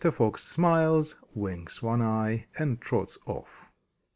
Fox smiles, winks one eye, and trots off.